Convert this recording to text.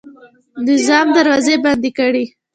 نظام دروازې بندې کړې.